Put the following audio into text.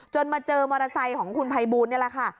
มาเจอมอเตอร์ไซค์ของคุณภัยบูลนี่แหละค่ะ